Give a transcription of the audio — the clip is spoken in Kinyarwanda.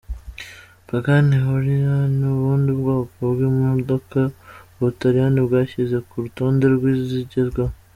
Pagani Huayra ni ubundi bwoko bw’imodoka u Butaliyani bwashyize ku rutonde rw’izigezweho.